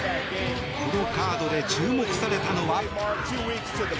このカードで注目されたのは。